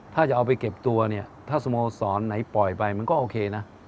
ถ้าจะเอาไปเก็บตัวเนี่ยถ้าสโมสรไหนปล่อยไปมันก็โอเคนะ